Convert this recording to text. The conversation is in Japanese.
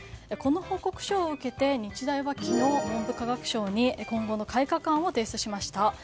この報告書を受けて日大は昨日、文部科学省に今後の改革案を提出しました。